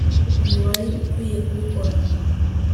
Ntiwari ukwiye kubikora